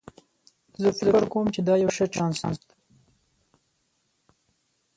زه فکر کوم چې دا یو ښه چانس ده